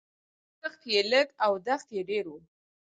کښت یې لږ او دښت یې ډېر و